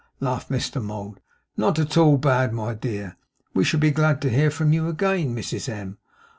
laughed Mr Mould. 'Not at all bad, my dear. We shall be glad to hear from you again, Mrs M.